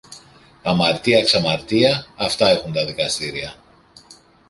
Αμαρτία, ξαμαρτία, αυτά έχουν τα δικαστήρια!